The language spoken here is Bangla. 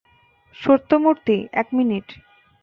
সত্যমুর্তি, এক মিনিট।